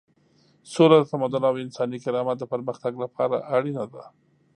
سوله د تمدن او انساني کرامت د پرمختګ لپاره اړینه ده.